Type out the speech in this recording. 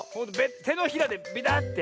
てのひらでベタッて。